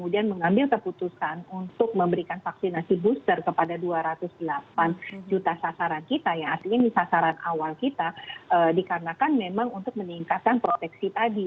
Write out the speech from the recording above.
dan mengambil keputusan untuk memberikan vaksinasi booster kepada dua ratus delapan juta sasaran kita ya artinya ini sasaran awal kita dikarenakan memang untuk meningkatkan proteksi tadi